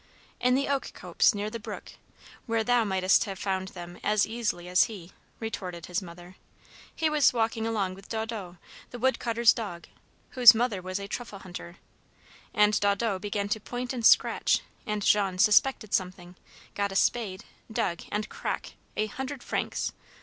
"In the oak copse near the brook, where thou mightest have found them as easily as he," retorted his mother. "He was walking along with Daudot, the wood cutter's dog whose mother was a truffle hunter and Daudot began to point and scratch; and Jean suspected something, got a spade, dug, and crack! a hundred francs!